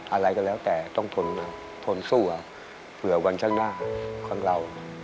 อะไรก็แล้วแต่ต้องทนสู้เผื่อวันข้างหน้าของเรา